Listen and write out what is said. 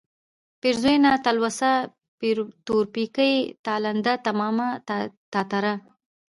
پېروزه ، تلوسه ، تورپيکۍ ، تالنده ، تمامه ، تاتره ،